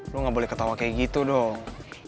lu gak boleh ketawa kayak gitu dong